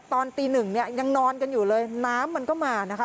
ตอนตีหนึ่งเนี่ยยังนอนกันอยู่เลยน้ำมันก็มานะคะ